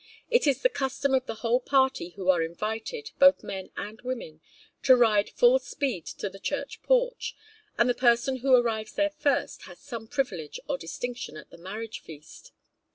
It is the custom of the whole party who are invited, both men and women, to ride full speed to the church porch, and the person who arrives there first has some privilege or distinction at the marriage feast.